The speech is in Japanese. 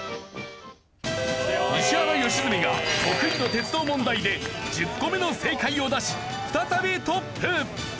石原良純が得意の鉄道問題で１０個目の正解を出し再びトップ！